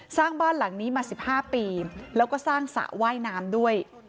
สร้างบ้านหลังนี้มา๑๕ปีแล้วก็สร้างสระว่ายน้ำด้วย